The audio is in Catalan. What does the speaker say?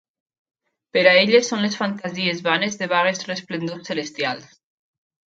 Per a elles són les fantasies vanes de vagues resplendors celestials.